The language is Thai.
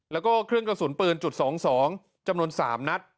แล้วก็เครื่องกระสุนปืนจุด๒๒จำนวน๓นัด